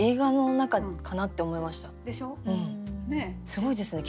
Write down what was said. すごいですね。